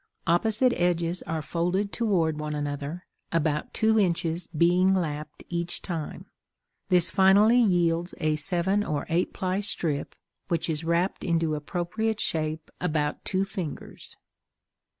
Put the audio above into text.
Opposite edges are folded toward one another, about two inches being lapped each time; this finally yields a seven or eight ply strip, which is wrapped into appropriate shape about two fingers.